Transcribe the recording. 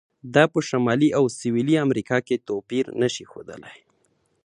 دا په شمالي او سویلي امریکا کې توپیر نه شي ښودلی.